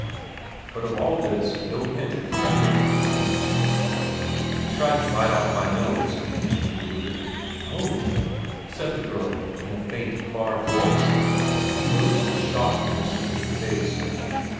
But of all this no hint had crept into his speech. "He tried to bite off my nose," he concluded. "Oh," the girl said, in a faint, far voice, and he noticed the shock in her sensitive face.